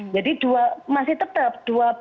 jadi masih tetap dua puluh lima lima ratus